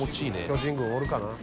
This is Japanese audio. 巨人軍おるかな？